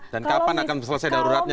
dan kapan akan selesai daruratnya